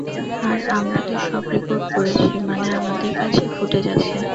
আর আমরা তো সব রেকর্ড করেছি, মানে আমাদের কাছে ফুটেজ আছে।